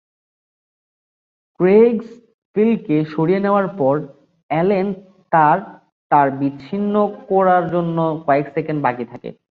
ক্রেইগসভিলকে সরিয়ে নেওয়ার পর, অ্যালেন তার তার বিচ্ছিন্ন করার জন্য কয়েক সেকেন্ড বাকি থাকে।